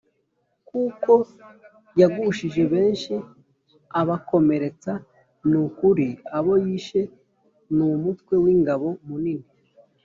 kuko yagushije benshi abakomeretsa, ni ukuri, abo yishe ni umutwe w’ingabo munini